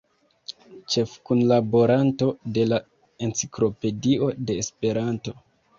Ĉefkunlaboranto de la Enciklopedio de Esperanto.